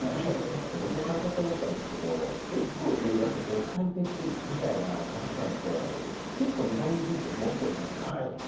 僕も会社やって思ったんですけど１個上だと絶対的みたいな価値観って結構日本人って持ってるじゃないですか。